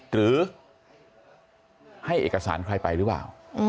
หรือให้เอกสารใครไปหรือเปล่า